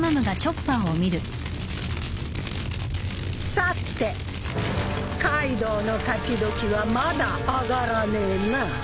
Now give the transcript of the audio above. さてカイドウの勝ちどきはまだあがらねえな。